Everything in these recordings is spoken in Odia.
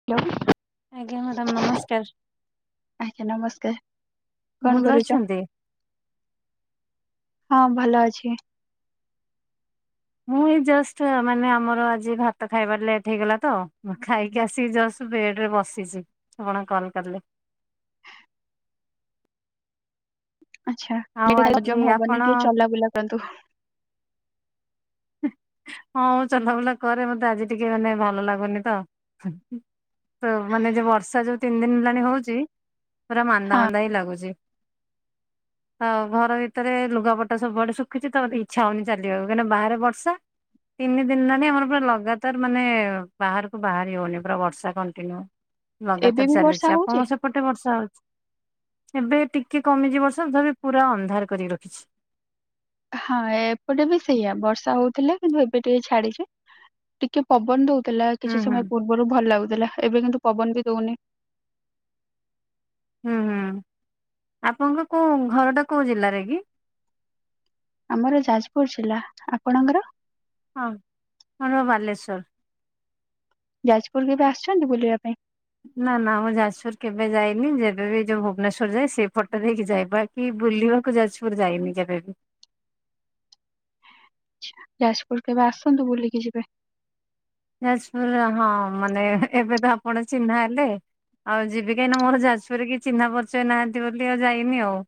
[unintelligible] ଆଜ୍ଞା ମାଡାମ୍ ନମସ୍କାର। ଆଜ୍ଞା ନମସ୍କାର କଣ ଭଲ କରୁଚ? ଅଛନ୍ତି? ହଁ ଭଲ ଅଛି। ମୁଁ ଏଇ ଜଷ୍ଟ ମାନେ ଆମର ଆଜି ଭାତ ଖାଇବାର ଲେଟ ହେଇଗଲା ତ ଖାଇକି ଆସି ଜଷ୍ଟ। ବେଡରେ ବସିଛି ଆପଣ କଲ୍ କଲେ। ଆଚ୍ଛା ଆଉ ଲେଟରେ ଖାଇଲେ ଆଜି ହଜମ ହବନି ଆପଣ ଟିକେ ଚଲାବୁଲା କରନ୍ତୁ। ହଁ ମୁଁ ଚଲାବୁଲା କରେ ମତେ ଆଜି ଟିକେ ମାନେ ଭଲ ଲାଗୁନି ତ। ତ ମାନେ ଯୋଉ ବର୍ଷା ଯୋଉ ତିନିଦିନ ହେଲାଣି ହଉଚି ପୁରା ହଁ ମାନ୍ଦା ମାନ୍ଦା ହିଁ ଲାଗୁଚି। [inaudible] ଆଉ ଘର ଭିତରେ ଲୁଗାପଟା ସବୁଆଡ ଶୁଖୁଛି ତ ମତେ ଇଚ୍ଛା ହଉନି ଚାଲିବାକୁ କାହିଁନା ବାହାରେ ବର୍ଷା। ତିନି ଦିନ ହେଲାଣି ଆମର ପୁରା ଲଗାତାର ମାନେ ବାହାରୁକୁ ବାହାରି ହଉନି ପୁରା ବର୍ଷା କଣ୍ଟିନ୍ୟୁ। ଏବେ ଲଗାତାର ବି ବର୍ଷା ଚାଲିଛି ହଉଛି? ଆପଣଙ୍କ ସେ ପଟେ ବର୍ଷା ହଉଛି ଏବେ ଟିକେ କମିଛି ବର୍ଷା ତଥାପି ପୁରା ଅନ୍ଧାର କରିକି ରଖିଛି। ହଁ ଏପଟେ ବି ସେଇଆ ବର୍ଷା ହଉଥିଲା କିନ୍ତୁ ଏବେ ଟିକେ ଛାଡିଛି ଟିକେ। ପବନ ଦଉଥିଲା ହୁଁ କିଛି ହୁଁ ସମୟ ପୂର୍ବରୁ ଭଲ ଲାଗୁଥିଲା ଏବେ କିନ୍ତୁ ପବନ ବି ଦଉନି। ହୁଁ ହୁଁ ଆପଣଙ୍କ କୋ ଘରଟା କୋଉ ଜିଲ୍ଲାରେ କି? ଆମର ଯାଜପୁର ଜିଲ୍ଲା ଆପଣଙ୍କର? ହଁ ଆମର ବାଲେଶ୍ଵର। ଯାଜପୁର କେବେ ଆସଛନ୍ତି ବୁଲିବା ପାଇଁ? ନା ନା ମୁଁ ଯାଜପୁର କେବେ ଯାଇନି ଯେବେ ବି ଯୋଉ ଭୁବନେଶ୍ଵର ଯାଏ ସେଇପଟ ଦେଇକି ଯାଏ ବଟ୍। କି ବୁଲିବାକୁ ଯାଜପୁର ଯାଇନି କେବେବି। ଯାଜପୁର କେବେ ଆସନ୍ତୁ ବୁଲିକି ଯିବେ। ଯାଜପୁର ହଁ ମାନେ ଏବେ ତ ଆପଣ ଚିହ୍ନା ହେଲେ ଆଉ ଯିବି କାହିଁକି ନା ମୋର ଯାଜପୁରରେ କି ଚିହ୍ନା ପରିଚୟ ନାହାନ୍ତି ବୋଲି ଆଉ ଯାଇନି ଆଉ।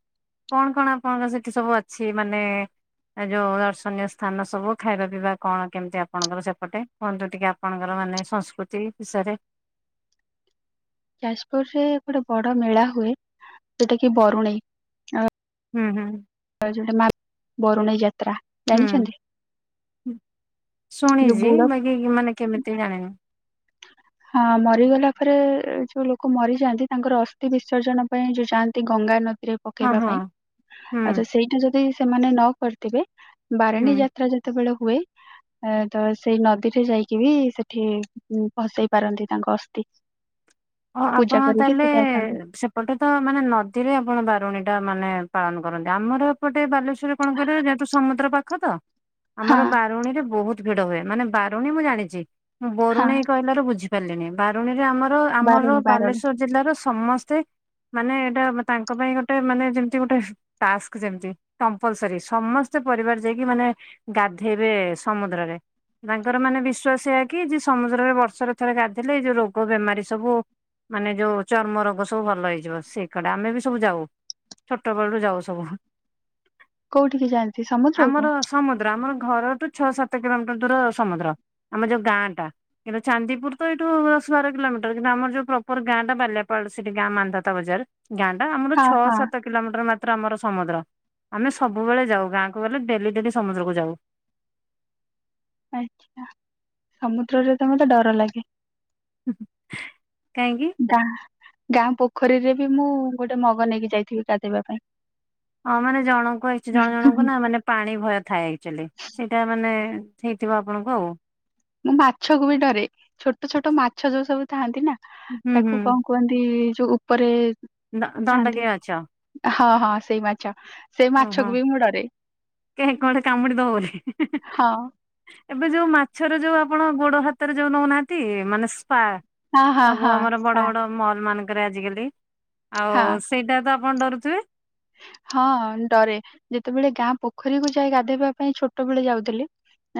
କଣ କଣ ଆପଣଙ୍କ ସେଠି ସବୁ ଅଛି ମାନେ ଏ ଯେଉ ଦର୍ଶନୀୟ ସ୍ଥାନ ସବୁ ଖାଇବା ପିଇବା କଣ କେମିତି ଆପଣଙ୍କର ସେପଟେ? କୁହନ୍ତୁ ଟିକେ ଆପଣଙ୍କର ମାନେ ସଂସ୍କୃତି ବିଷୟରେ। ଯାଜପୁର ରେ ଗୋଟେ ବଡ ମେଳା ହୁଏ ଜଉଟାକି ବରୁଣେଇ। ହୁଁ ହୁଁ। ଆଉ ଜଉଟା ମା ବରୁଣେଇ ଯାତ୍ରା। ଜାଣିଛନ୍ତି ଯୋଉ ବୁଢା ଆମେ ମାନେ କେମିତି ଜାଣିବୁ। ହଁ ମରିଗଲା ପରେ ଯୋଉ ଲୋକ ମରିଯାଆନ୍ତି ତାଙ୍କର ଅସ୍ଥି ବିସର୍ଜନ ପାଇଁ ଯୋଉ ଯାଆନ୍ତି ଗଙ୍ଗା ନଦୀରେ ହଁ ପକେଇବା ହଁ ପାଇଁ ହୁଁ ଆଉ ତ ସେଇଟା ଯଦି ସେମାନେ ନ କରିଥିବେ ହୁଁ ବାରଣୀ ଯାତ୍ରା ଜେ ଯେତେବେଳେ ହୁଏ ତ ସେଇ ନଦୀରେ ଯାଇକି ବି ସେଠି ହଁ ଭସେଇ ପାରନ୍ତି ତାଙ୍କ ଅସ୍ଥି। ଓ ପୂଜା ଆପଣ କରିକି ତାହେଲେ ସେଠି ଆସନ୍ତି ସେ ଏପଟେ ତ ମାନେ ନଦୀରେ ଆପଣ ବାରୁଣୀ ଟା ମାନେ ପାଳନ କରନ୍ତି ଆମର ଏପଟେ ବାଲେଶ୍ଵ କଣ କରିବେ ଯେହେତୁ ସମୁଦ୍ର ପାଖତ ଆମର ହଁ ବାରୁଣୀରେ ବହୁତ ଭିଡ ହୁଏ ମାନେ ବାରୁଣୀ ମୁଁ ଜାଣିଛି ମୁଁ ହଁ ବରୁଣେଇ କହିଲାରୁ ବୁଝିପାରିଲିିନି ବାରୁଣୀରେ ଆମର ଆମର ବାରୁଣୀ ବାରୁଣୀ ବାଲେଶ୍ଵର ଜିଲ୍ଲାର ସମସ୍ତେ ମାନେ ଏଇଟା ତାଙ୍କ ପାଇଁ ଗୋଟେ ମାନେ ଯେମିତି ଗୋଟେ ଟାକ୍ସ ଯେମତି କମ୍ପଲସରୀ ସମସ୍ତେ ପରିବାର ଯାଇକି ମାନେ ଗାଧେଇବେ ସମୁଦ୍ରରେ। ତାଙ୍କର ମାନେ ବିଶ୍ଵାସ ଏୟାକି ଜେ ସମୁଦ୍ରରେ ବର୍ଷରେ ଥରେ ଗାଧୋଇଲେ ଏଇ ଯୋଉ ରୋଗ ବେମାରୀ ସବୁ ମାନେ ଯୋଉ ଚର୍ମ ରୋଗ ସବୁ ଭଲ ହେଇଯିବ ସେଇ କଡେ ଆମେ ବି ସବୁ ଯାଉ। ଛୋଟବେେଳୁ ଯାଉ ସବୁ। କୋଉଠିକି ଯାନ୍ତି ଆମର ସମୁଦ୍ରକୁ। ସମୁଦ୍ର ଆମର ଘରଠୁ ଛଅ ସାତ କିଲୋମିଟର ଦୂର ସମୁଦ୍ର। ଆମ ଯୋଉ ଗାଁ ଟା କିନ୍ତୁ ଚାନ୍ଦିପୁର ତ ଏଇଠୁ ଦଶ ବାର କିଲୋମିଟର। କିନ୍ତୁ ଆମର ଯୋଉ ପ୍ରପର ଗାଁଟା ବାଲିଆପାଳ ସେଠି ଗାଁ ମାନ୍ଧାତା ବଜାର ଗାଁଟା ଆମର ହଁ ଛଅ ହଁ ସାତ କିଲୋମିଟର ମାତ୍ର ଆମର ସମୁଦ୍ର ଆମେ ସବୁବେଳେ ଯାଉ ଗାଁକୁ ଗଲେ ଡେଲି ଡେଲି ସମୁଦ୍ରକୁ ଯାଉ। ଆଛା ସମୁଦ୍ରରେ ତ ମତେ ଡର ଲାଗେ। କାହିଁକି? ଗାଁ ଗାଁ ପୋଖରୀରେ ବି ମୁଁ ଗୋଟେ ମଗ ନେଇକି ଯାଇଥିବି ଗାଧେଇବା ପାଇଁ। ହଁ ମାନେ ଜଣଙ୍କୁ ଆଇଛି ଜଣ ପାଇଁ ଜଣଙ୍କୁ ନା ମାନେ। ପାଣି ଭୟ ଥାଏ ଆକ୍ଚୁଆଲି ସେଇଟା ମାନେ ହେଇଥିବ ଆପଣଙ୍କୁ ଆଉ। ମୁଁ ମାଛକୁ ବି ଡରେ ଛୋଟ ଛୋଟ ମାଛ ଯୋଉ ସବୁ ଥାଆନ୍ତି ନା ହୁଁ ହୁଁ। ତାକୁ କଣ କୁହନ୍ତି ଯୋଉ ଉପରେ ଦ ଥାଆନ୍ତି। ଦଣ୍ଡକି ମାଛ। ହଁ ହଁ ସେଇ ମାଛ। ସେଇ ଓହୋ ମାଛକୁ ବି ମୁଁ ଡରେ କିଆଁ କୁଆଡେ କାମୁଡି ଦବବୋଲି। ହଁ ଏବେ ଯୋଉ ମାଛର ଯୋଉ ଆପଣ ଗୋଡ ହାତରେ ଯୋଉ ନଉନାହାନ୍ତି ମାନେ ପା ହଁ ହଁ ସବୁ ହଁ। ଆମର ବଡ ସା- ବଡ। ମଲ ମାନଙ୍କରେ ଆଜିକାଲି ଆଉ ହଁ ସେଇଟା ତ ଆପଣ ଡରୁଥିବେ? ହଁ ଡରେ ଯେତେବେଳେ ଗାଁ ପୋଖରୀକୁ ଯାଐ ଗାଧୋଇବା ପାଇଁ ଛୋଟ ବେଳେ ଯାଉଥିଲି।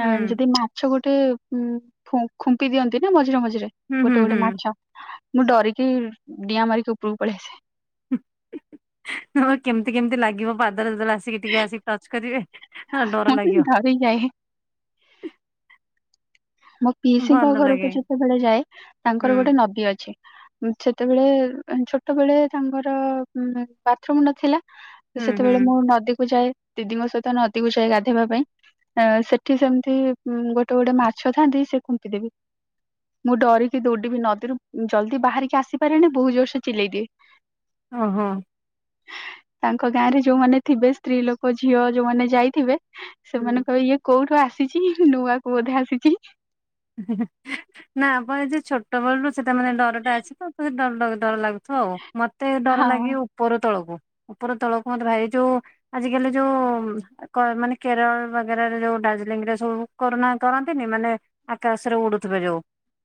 ଆ ହୁଁ ଯଦି ମାଛ ଗୋଟେ ଉ ଖୁମ୍ପି ଦିଅନ୍ତି ନା ମଝିରେ ମଝିରେ। ହୁଁ ହୁଁ ଗୋଟେ ଗୋଟେ ହୁଁ। ମାଛ ମୁଁ ଡରିକି ଡିଆଁ ମାରିକି ଉପରକୁ ପଳେଇଆସେ। କେମିତି କେମତି ଲାଗିବ ପାଦରେ ଯେତୋଳେ ଆସିବ। ଏତିକି ଟିକେ ଆସି ଟଚ କଦିବେ ଡର ମୁଁ ଲାଗିବ। ଡରି ଯାଏ। ମୋ ପିଇସିିଙ୍କ ଭଲ ଲାଗେ ଘରକୁ ଯେତେବେଳେ ଯାଏ ହୁଁ ତାଙ୍କର ଗୋଟେ ନଦୀ ଅଛି। ସେତେବେଳେ ଛୋଟବେଳେ ତାଙ୍କର ବାଥରୁମ ନଥିଲା। ହୁଁ ହୁଁ ସେତେବେଳେ ମୁଁ ନଦୀକୁ ଯାଏ। ଦିଦିଙ୍କ ସହିତ ନଦୀକୁ ଯାଏ ଗାଧେଇବା ପାଇଁ ଅ ସେଠି ସେମିତି ଗୋଟେ ଗୋଟେ ମାଛ। ଛ ଥାନ୍ତି ସେ ଖୁମ୍ପି ଦେବେ। ମୁଁ ଡରିକି ଦୌଡିବି ନଦୀରୁ ଜଲଦି ବାହାରିକି ଆସିପାରେନି ବହୁତ ଜୋର ସେ ଚିଲେଇ ଦିଏ। [unintelligible] ଓହୋ। ତାଙ୍କ ଗାଁ ରେ ଯୋଉମାନେ ଥିବେ ସ୍ତ୍ରୀ ଲୋକ ଝିଅ ଯୋଉମାନେ ଯାଇଥିବେ। ହୁଁ। ସେମାନେ କହିବେ ଇଏ କୋଉଠୁ ଆସିଛି ନୂଆ କୁ ବୋଧେ ଆସିଛି। ନା ଆପଣ ଏ ଯୋଉ ଛୋଟ ବେଳରୁ ସେଟା ମାନେ ଡରଟା ଆଛି ସେଥିପାଇଁ ଡର ଡର ଡର ଲାଗୁଛି। ହଉ ମତେ ଡର ହଁ ଲାଗିବ ଉପର ତଳକୁ। ଉପର ତଳକୁ ମତେ ଭାଇି ଯୋଉ ଆଜିକାଲି ଯୋଉ। ମାନେ କେରଳ ବାଗରାରେ ଯୋଉ ଦାର୍ଜିଲିଂ ରେ ସବୁ କରୋନା କରନ୍ତିନି ମାନେ। ଆକାଶରେ ଉଡୁଥିବେ ଯୋଉ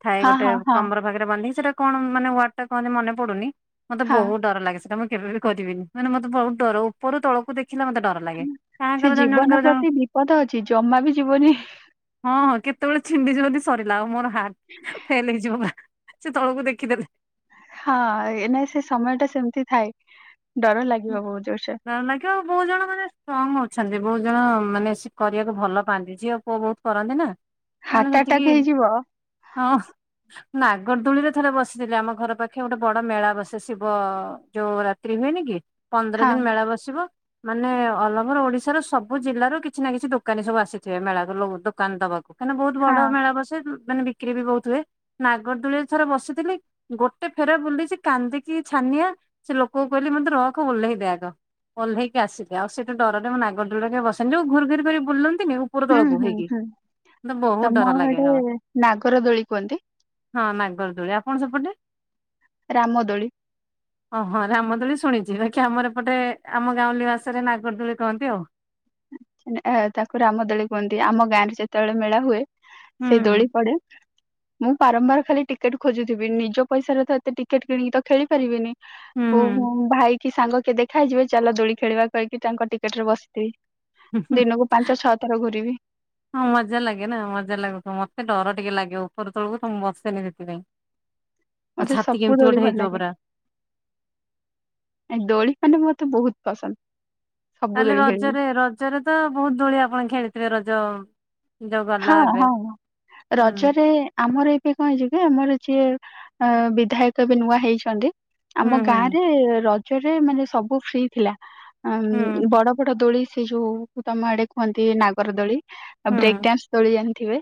ଥାଏ ହଁ ଗୋଟେ ହଁ ହଁ କମର ପାଖରେ ବାନ୍ଧିକି ସେଇଟା। କଣା ମାନେ ୱାର୍ଡ ଟା କହନ୍ତି ମନେ ପଡୁନି ମତେ ହଁ। ବହୁତଡର ଲାଗେ ସେଟା ମୁଁ କେବେ। କରିବିନି ମାନେ ମତେ ବହୁତ ଡର ଉପରୁ ତଳକୁ ଦେଖିଲ ମତେ ଡର। ଲାଗେ। କାହାଙ୍କର ସେ ଜଣ ଜଣଙ୍କର ଜୀବନ ଜଣ ପ୍ରତି ବିପଦ ଅଛି ଜମା ବି ଯିବନି। ହଁ ହଁ କେତେବେଳେ ଛିଣ୍ଡିଛି ଯଦି ସରିଲା ଆଉ ମୋର ହାଟ। [inaudible] ଫେଲ ହେଇଯିବ ବା ସେ ତଳକୁ ଦେଖିଦେଲେ। ହଁ ଏଇନା ସେ ସମୟ ଟା ସେମିତି ଥାଏ। ଡର ଲାଗିବ ବହୁତ ଜୋରସେ ହଁ ନା। ଆଉ ବହୁତ ଜଣ ମାନେ ଷ୍ଟ୍ରଙ୍ଗ ଅଛନ୍ତି ବହୁତ ଜଣ ମାନେ ସେ କରିବାକୁ ଭଲ ପାଆନ୍ତି ଝିଅ ପୁଅ ବହୁତ କରନ୍ତି ନା। ସେମାନେ ହାର୍ଟ ସେତିକି ଆଟାକ୍ ହେଇଯିବ ହଁ। ନାଗରଦୁଳି ରେ ଥରେ ବସିଥିଲି ଆମ ଘର ପାଖେ ଗୋଟେ ବଡ ମେଳା ବସେ ଶିବ ଯୋଉ ରାତି ତ୍ରୀ ହୁଏନି କି ପନ୍ଦର ହଁ ଦିନ ମେଳା ବସିବ। ମାନେ ଅଲ ଓଭର ଓଡିଶାରୁ ସବୁ ଜିଲ୍ଲାରୁ କିଛି ନା କିଛି ଦୋକାନୀ ସବୁ ଆସିଥିବେ ମେଳାକୁ ଦୋକାନ ଦବାକୁ। କାହିଁକିନା ବହୁ ବଡ ହଁ ମେଳା ବସେ ମାନେ ବିକ୍ରି ବି ବହୁତ ହୁଏ। ନାଗରଦୋଳିରେ ଥରେ ବସିଥିଲି ଗୋଟେ ଫେର ବୁଲିଛି କାନ୍ଦିକି ଛାନିଆ। ସେ ଲୋକଙ୍କୁ କହିଲି ମତେ ରଖ ଓଲେହି ଦେଆଗ। ଓହ୍ଲେଇକି ଆସିବି ଆଉ ସେଇଠୁ ଡରରେ ମୁଁ ନାଗର ଦୋଳିରେ କେବେ ବସିନି ଯଉ ଘୁର ଘୂର କରି ବୁଲନ୍ତିନି। ଉପରୁ ହୁଁ ତଳକୁ ହୁଁ ହେଇକି ହୁଁ କି ମତେ ବହୁତ ତମ ଡର ଲାଗେ ଆଡେ ଆଉ। ନାଗର ଦୋଳି କୁହନ୍ତି ହଁ ନାଗର ଦୋଳି ଆପଣ ସେପଟେ? ରାମଦୋଳି। ଓହୋ ରାମଦୋଳି ଶୁଣିଛି ବା। କି ଆମର ଏପଟେ ଆମ ଗାଉଁଲି ଭାଷାରେ ନାଗରଦୋଳି କହନ୍ତି ଆଉ। ତାକୁ ରାମ ଦୋଳି କୁହନ୍ତି ଆମ ଗାଁରେ ଯେତେବେଳେ ମେଳା ହୁଏ ହୁଁ ସେଇ ଦୋଳି ପଡେ। ମୁଁ ବାରମ୍ବାର ଖାଲି ଟିକେଟ ଖୋଜୁଥିବି ନିଜ ପଇସାରେ ତ ଏତେ ଟିକେଟ କିଣିକି ତ ଖେଳି ପାରିବିନି। ହୁଁ ହୁଁ। ଭାଇ କି ସାଙ୍ଗ କିଏ ଦେଖା ହେଇଯିବେ ଚାଲ ଦୋଳି ଖେଳିବା କହିକି ତାଙ୍କ ଟିକେଟ ରେ ବସିଥିବି। ହୁଁ। ଦିନକୁ ପାଞ୍ଚ ଛଅ ଥର ଘୁରିବି। ହଁ ମଜା ଲାଗେ ନା ମଜା ଲାଗୁ ତ ମତେ ଡର ଟିକେ ଲାଗେ ଉପର ତଳକୁ ତ ମୁଁ ବସେନି ସେଥିପାଇଁ। ମୋ ମତେ ଛାତି ସବୁ କେମିତି ଦୋଳି ଗୋଟେ ଭଲ ହେଇଯିବ ଲାଗେ। ପୁରା ଏ ଦୋଳି [unintelligible] ମତେ ବହୁତ ପସନ୍ଦ। ସବୁ ତାହେଲେ ଦୋଳି ଖେଳିବି। ରଜରେ ରଜରେ ତ ବହୁତ ଦୋଳି ଆପଣ ଖେଳିଥିବେ ରଜ ଯୋଉ ଗଲା ହଁ ଏବେ ହଁ ହୁଁ ରଜରେ ଆମର ଏବେ କଣ ହେଇଛି କି ଆମର ଯିଏ ଅ ବିଧାୟକ ଏବେ ନୂଆ ହେଇଛନ୍ତି। ହୁଁ ଆମ ହୁଁ ଗାଁ ରେ ରଜରେ ମାନେ ସବୁ ଫ୍ରି ଥିଲା। ହୁଁ ଉଁ ବଡ଼ ବଡ଼ ଦୋଳି ସେ ଯୋଉ ତମ ଆଡ଼େ କୁହନ୍ତି ନାଗର ଦୋଳି। ଆ ହୁଁ ବ୍ରେକ୍ ଡାନ୍ସ ଦୋଳି ଜାଣିଥିବେ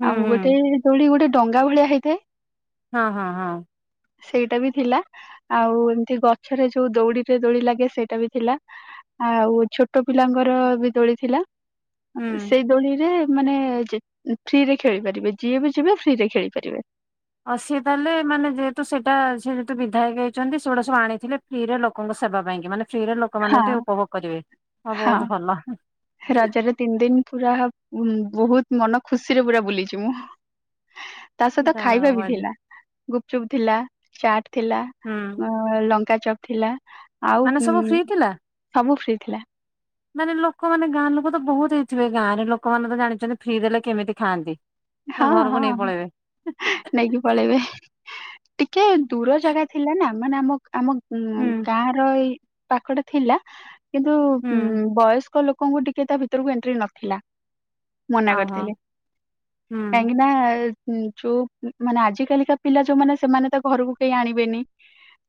ହୁଁ ଆଉ ହୁଁ ଗୋଟେ ଦୋଳି ଗୋଟେ ଡଙ୍ଗା ଭଳିଆ ହେଇଥାଏ। ହଁ ହଁ ହଁ। ସେଇଟା ବି ଥିଲା। ଆଉ ଏମିତି ଗଛରେ ଯୋଉ ଦଉଡ଼ିର ଦୋଳି ଲାଗେ ସେଇଟା ବି ଥିଲା। ଆଉ ଛୋଟ ପିଲାଙ୍କର ବି ଦୋଳି ଥିଲା ହୁଁ। ସେଇ ଦୋଳିରେ ମାନେ ଯେ ଫ୍ରିରେ ଖେଳିପାରିବେ ଯିଏ ବି ଯିବେ ଫ୍ରି ରେ ଖେଳିପାରିବେ। ଆଉ ସିଏ ତାହେଲେ ମାନେ ଯେହେତୁ ସେଟା ସେ ଯେହେତୁ ସେଟା ସିଏ ଯେହେତୁ ବିଧାୟକ ହେଇଛନ୍ତି ସେଗୁଡ଼ା ସବୁ ଆଣିଥିଲେ। ଫିରେ ଲୋକଙ୍କ ସେବା ପାଇଁ କି ମାନେ ଫ୍ରିରେ ଲୋକମାନେ ହଁ ଏଠି ଉପଭୋଗ କରିବେ ଆଉ ବହୁତ ଭଲ। ରାଜରେ ତିନି ଦିନ ପୁରା ବହୁତ ମନ ଖୁସିରେ ପୁରା ବୁଲିଛି ମୁଁ। ତା ସହିତ ଯାହା ଖାଇବା ହଉ ବି ବଢିଆ। ଥିଲା ଗୁପ୍ ଚୁପ୍ ଥିଲା ଚାଟ୍ ଥିଲା। ହୁଁ ଲଙ୍କା ଚପ୍ ଥିଲା ଆଉ ମାନେ ସବୁ ଫ୍ରି ଉଁ ଥିଲା? ସବୁ ଫ୍ରି ଥିଲା। ମାନେ ଲୋକମାନେ ଗାଁ ଲୋକ ତ ବହୁତ ହେଇଥିବେ ଗାଁରେ ଲୋକମାନେ ତ ଜାଣିଛନ୍ତି ଫ୍ରି ଦେଲେ କେମିତି ଖାଆନ୍ତି? ପୁରା ହଁ ଘରକୁ ହଁ ନେଇ ପଳେଇବେ। [unintelligible] ନେଇକି ପଳେଇବେ ଟିକେ ଦୂର ଜାଗା ଥିଲା ନା ମାନେ ଆମ ଆମ ଉଁ ହୁଁ ଗାଁ ର ଏଇ ପାଖଟା ଥିଲା କିନ୍ତୁ ହୁଁ ଉ ବୟସ୍କ ଲୋକଙ୍କୁ ଟି ତା ଭିତରକୁ ଏଣ୍ଟ୍ରି ନଥିଲା ମନା ଓହୋ କରିଥିଲେ ହୁଁ କାହିଁକି ନାଁ ହଁ ଯୋଉ ମାନେ ଆଜିକାଲିକା ପିଲା ଯୋଉମାନେ ସେମାନେ ତ ଘରକୁ କେହି ଆଣିବେନି।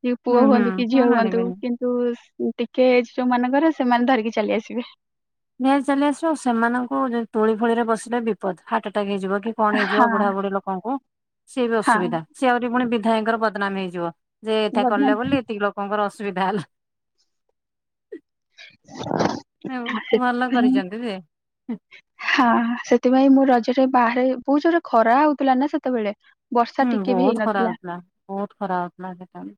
କି ପୁଅ ହୁଁ ହୁଁ ହୁଅନ୍ତୁ କି ହଁ ଝିଅ ହୁଅନ୍ତୁ ଆଣିବେନି। କିନ୍ ତୁସ୍ ଟିକେ ଏଜ୍ ଯୋଉମାନଙ୍କର ସେମାନେ ଧରିକି ଚାଲି ଆସିବେ। ନେଇ ଚାଲି ଆସିବ ଆଉ ସେମାନଙ୍କୁ ଜଉ ଦୋଳି ଫୋଳି ରେ ବସିଲେ ବିପଦ ହାର୍ଟ ଆଟାକ୍ ହେଇଯିବ କି? କଣ ହେଇଯିବ ହଁ ବୁଢ଼ା ବୁଢ଼ୀ ଲୋକଙ୍କୁ ସିଏ ବି ହଁ ଅସୁବିଧା ସେ ଆହୁରି ପୁଣି ବିଧାୟକଙ୍କର ବଦନାମ୍ ହେଇଯିବ। ଯେ ଏଠା ବଦନାମ କଲେ ବୋଲି ଏତିକି ଲୋକଙ୍କର ଅସୁବିଧା ହେଲା। ହଉ ଭଲ ସେଥିପାଇଁ କରିଛନ୍ତି ଯେ ହଁ ସେଥିପାଇଁ ମୁଁ ରଜରେ ବାହାରେ ବହୁତ ଜୋରେ ଖରା ହଉଥିଲା ନା ସେତେବେଳେ? ବର୍ଷା ହୁଁ ଟିକେ ବି ବହୁତ ହେଇ ଖରା ନଥିଲା। ହଉଥିଲା ବହୁତ ଖରା ହଉଥିଲା ସେ ଟାଇମ୍ ରେ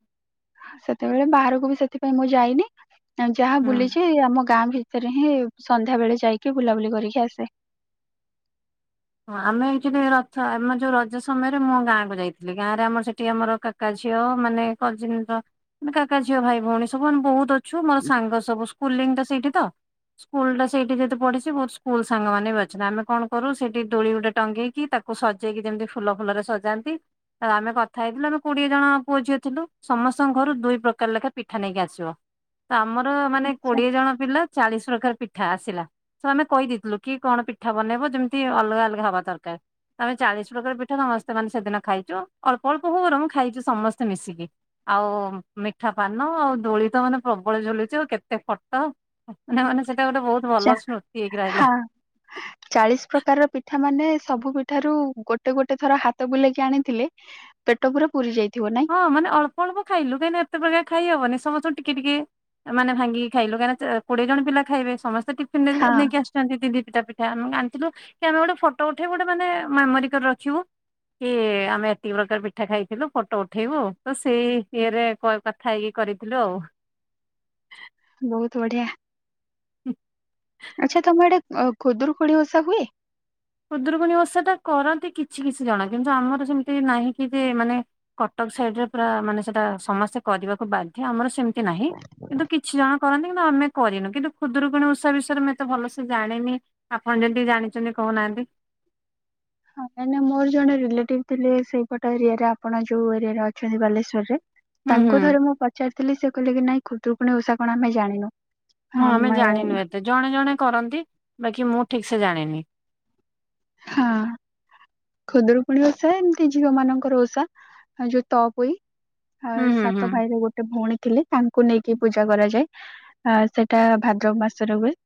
ସେତେବେଳେ ବାହାରକୁ ବି ସେଥିପାଇଁ ମୁଁ ଯାଇନି ଆ ଯାହା ହୁଁ। ବୁଲିଛି ଆମ ଗାଁ ଭି ସେଥିରେ ହିଁ ସନ୍ଧ୍ୟା ବେଳେ ଯାଇକି ବୁଲାବୁଲି କରିକି ଆସେ। ହଁ ଆମେ ଆଚୁଲି ରଥ ଆମ ଯୋଉ ରଜ ସମୟରେ ମୁଁ ଗାଁକୁ ଯାଇଥିଲି ଗାଁରେ ଆମର ସେଠି ଆମର କା କା ଝିଅ ମାନେ [unintelligible] ମାନେ କାକା ଝିଅ ଭାଇ ଭଉଣୀ ସବୁ ଆମେ ବହୁତ ଅଛୁ ମୋର ସାଙ୍ଗ ସ ସବୁ ସ୍କୁଲିଂ ଟା ସେଇଠି ତ। ସ୍କୁଲ ଟା ସେଇଠି ଯେହେତୁ ପଢ଼ିଛି ବହୁତ ସ୍କୁଲ ସାଙ୍ଗ ମାନେ ବି ଅଛନ୍ତି ଆମେ କଣ କରୁ ସେଠି ଦୋଳି ଗୋଟେ ଟଙ୍ଗେଇକି ତାକୁ ସଜେଇକି ଯେମିତି ଫୁଲ ଫୁଲରେ ସଜାନ୍ତି ଆଉ ଆମେ କଥା ହେଇଥିଲୁ ଆମେ କୋଡ଼ିଏ ଜଣ ପୁଅ ଝିଅ ଥିଲୁ ସମସ୍ତଙ୍କ ଘରୁ ଦୁଇ ପ୍ରକାର ଲେଖା ପିଠା ନେଇକି ଆସିବ। ତ ଆମର ମାନେ କୋଡ଼ିଏ ଜଣ ପିଲା ଚାଳିଶ ପ୍ରକାର ପି ପିଠା ଆସିଲା ସେ ଆମେ କହିଦେଇଥିଲୁ କି କଣ ପିଠା ବନେଇବ ଯେମିତି ଅଲଗା ଅଲଗା ହବା ଦରକାର। ଆମେ ଚାଳିଶ ପ୍ରକାର ପିଠା ସମସ୍ତେ ମାନେ ସେଦିନ ଖାଇଛୁ ଅଳ୍ପ ଅଳ୍ପ ହଉ ବରଂ ମୁଁ ଖାଇଚୁ ସମସ୍ତେ ମିଶିକି। ଆଉ ମିଠା ପାନ ଆଉ ଦୋଳି ତ ମାନେ ପ୍ରବଳ ଝୁଲୁଛି ଆଉ କେତେ ଫଟ ମାନେ ମାନେ ସେଟା ଗୋଟେ ବହୁତ ଭଲ ଚା ସ୍ମୃତି ହେଇକି ରହିଲା। ହଁ ଚାଳିଶ ପ୍ରକାରର ପିଠା ମାନେ ସବୁ ପି ଠାରୁ ଗୋଟେ ଗୋଟେ ଥର ହାତ ବୁଲେଇକି ଆଣିଥିଲେ ପେଟ ପୁରା ପୁରି ଯାଇଥିବ ନାଇଁ? ହଁ ମାନେ ଅଳ୍ପ ଅଳ୍ପ ଖାଇଲୁ କାହିଁକିନା ଏତେ ପ୍ରକାର ଖାଇ ହବନି ସମସ୍ତଙ୍କୁ ଟିକେ ଟିକେ ମାନେ ଭାଙ୍ଗିକି ଖାଇଲୁ କାହିଁକିନା କୋଡିଏ ଜଣ ପିଲା ଖାଇବେ ସମସ୍ତେ ଟିଫିନରେ ନେଇକି ହଁ ଆସୁ ଦିଦି ପିଠା ପିଠା ଆମେ ଆାଣିଥିଲୁ କି ଆମେ ଗୋଟେ ଫଟୋ ଉଠେଇ ଗୋଟେ ମାନେ ମେମୋରି କରି ରଖିବୁ। କି ଆମେ ଏତିକି ପ୍ରକାର ପିଠା ଖାଇଥିଲୁ ଫୋଟ ଉଟ ଉଠେଇବୁ ତ ସେଇ ଇଏରେ କଥା ହେଇକି କରିଥିଲୁ ଆଉ। ବହୁତ ବଢିଆ ଆଛା ତମଆଡେ ଖୁଦୁରୁକୁଣୀ ଓଷା ହୁଏ? ଖୁଦୁରୁକୁଣୀ ଓଷାଟା କରନ୍ତି କିଛି କିଛି ଜଣ କିନ୍ତୁ ଆମର ସେମିତି ନାହିଁ କି ଯେ ମାନେ କଟକ ସାଇଟରେ ପୁରା ମାନେ ସେଟା ସମସ୍ତେ କରିବାକୁ ବାଧ୍ୟ ଆମର ସେମିତି ନାହିଁ କିନ୍ତୁ କିଛି ଜଣ କରନ୍ତି କିନ୍ତୁ ଆମେ କରିନୁ କିନ୍ତୁ ଖୁଦୁରୁକୁଣୀ ଉଷା ବିଷୟରେ ମୁଁ ଏତେ ଭଲସେ ଜାଣିନି ଆପଣ ଯଦି ଜାଣିଛନ୍ତି କହୁନାହାନ୍ତି? ହଁ ନାଇଁ ନାଇଁ ମୋର ଜଣେ ରିଲେଟିଭ ଥିଲେ ସେଇପଟ ଏରିଆରେ ଆପଣ ଯୋଉ ଏରିଆରେ ଅଛନ୍ତି ବାଲେଶ୍ୱରରେ। ହୁଁ ହୁଁ ତାଙ୍କୁ ଥରେ ମୁଁ ପଚାରିଥିଲି ସେ କହିଲେ କି ନାଇଁ ଖୁଦୁକୁଣଣି ଉଷା କଣ ଆମେ ଜାଣିନୁ। ହଁ ଆମେ ଜାଣିନୁ ଏତେ ଜଣେ ଜଣେ କରନ୍ତି ବାକି ମୁଁ ଠିକ ସେ ଜାଣିନି। ହଁ। ଖୁଦୁରୁକୁଣି ଓଷା ଏମିତି ଝିଅ ମାନଙ୍କର ଓଷା ଯୋଉ ତଅପୋଇ। ଆଉ ହୁଁ ହୁଁ ହୁଁ। ସାତ ଭାଇରେ ଗୋଟେ ଭଉଣୀ ଥିଲେ ତାଙ୍କୁ ନେଇକି ପୂଜା କରାଯାଏ। ଅ ସେଟା ଭାଦ୍ରବ ମାସ ରେ ହୁଏ।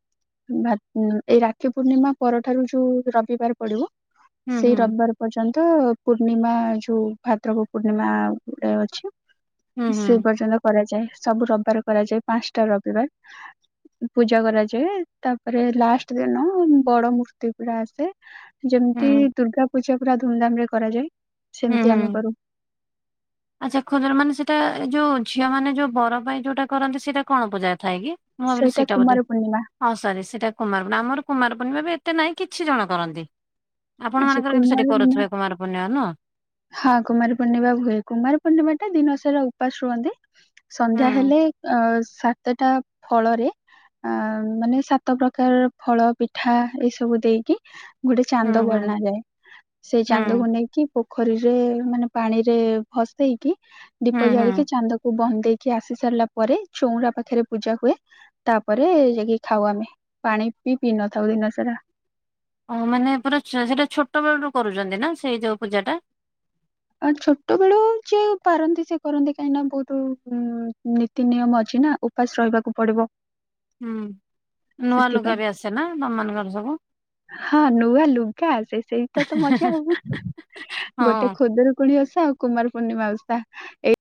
ଏଇ ରାକ୍ଷୀ ପୂର୍ଣ୍ଣିମା ପରଠାରୁ ଯୋଉ ରବିବାର ପଡିବ ହୁଁ ସେଇ ହୁଁ ରବିବାର ପର୍ଯ୍ୟନ୍ତ ପୂର୍ଣ୍ଣିମା ଯୋଉ ଭାଦ୍ରକ ପୂର୍ଣ୍ଣିମାରେ ଅଛି ହୁଁ ହୁଁ ସେ ପର୍ଯ୍ୟନ୍ତ କରାଯାଏ ସବୁ ରବିବାର କରାଯାଏ ପାଞ୍ଚଟା ରବିବାର। ପୂଜା କରାଯାଏ ତାପରେ ଲାଷ୍ଟ ଦିନ ବଡ ମୂର୍ତ୍ତି ପୁରା ଆସେ। ହୁଁ ଯେମିତି ଦୁର୍ଗା ପୂଜା ପୁରା ଧୁମଧାମ ରେ କରାଯାଏ ହୁଁ ସେମିତି ଆମେ ହୁଁ। କରୁ। ଆଚ୍ଛା ଖଜୁର ମାନେ ସେଇଟା ଏ ଯୋଉ ଝିଅ ମାନେ ଜଉ ବର ପାଇଁ ଯୋଉଟା କରନ୍ତି ସେଇଟା କଣ ପୂଜା ଥାଏ କି? ମୁଁ ଭାବିଲି ସେଇଟା ବୋଧେ। କୁମାର ପୂର୍ଣ୍ଣିମା ହଁ ସରି ସେଇଟା କୁମାରପୁଣ୍ଣିମା ଆମର କୁମାରପର୍ଣ୍ଣିମା ବି ଏତେ ନାହିଁ କିଛି ଜଣ କରନ୍ତି। ଆପଣ ଆଚ୍ଛା ମାନଙ୍କର କିନ୍ତୁ କୁମାର ସେଠି ପୂର୍ଣ୍ଣିମା କରୁଥିବେ କୁମାର ପୂର୍ଣ୍ଣିମା ନୁହଁ? ହଁ କୁମାରୀ ପୂର୍ଣ୍ଣିମା ହୁଏ କୁମାର ପୂର୍ଣ୍ଣିମା ଟା ଦିନସାରା ଉପାସ ରୁହନ୍ତି। ହୁଁ ସନ୍ଧ୍ୟା ହେଲେ ଅ ସାତଟା ଫଳରେ ଅ ମାନେ ସାତ ପ୍ରକାରର ଫଳ ପିଠା ଏଇ ସବୁ ଦେଇକି ଗୋଟେ ହୁଁ ହୁଁ ବନାଜାଏ। ସେଇ ହୁଁ ଚାନ୍ଦକୁ ନେଇକି ପୋଖରୀରେ ମାନେ ପାଣିରେ ଭସେଇକି ହୁଁ ଦୀପ ହୁଁ ଜାଳିକି ଚାନ୍ଦକୁ ବନ୍ଦେଇକି ଆସି ସାରିଲା ପରେ ଚଉରା ପାଖରେ ପୂଜା ହୁଏ। ତାପରେ ଯାଇକି ଖାଉ ଆମେ ପାଣି ପି ପିଇ ନଥାଉ ଦିନ ସାରା। ଓ ମାନେ ପୁରା ସେଇଟା ଛୋଟ ବେଳରୁ କରୁଛନ୍ତି ନା ସେଇ ଯୋଉ ପୂଜା ଟା? ଆଉ ଛୋଟ ବେଳୁ ଯିଏ ପାରନ୍ତି ସେ କରନ୍ତି କାହିଁକି ନା ବହୁତ ନୀତି ନିୟମ ଅଛି ନା ଉ ଉପାସ ରହିବାକୁ ପଡିବ। ହୁଁ ନୂଆ ସେଥିପାଇଁ ଲୁଗା ବି ଆସେ ନା ତମମାନଙ୍କର ସବୁ। ହଁ ନୂଆ ଲୁଗା ଆସେ ସେଇ ତ ତ ମଜା ଆଉ ଗୋଟେ ଖୋ ହଁ। ଖୁଦୁରୁକୁଣୀ ଓଷା ଆଉ କୁମାର ପୂର୍ଣ୍ଣିମା ଓଷା ଏଇ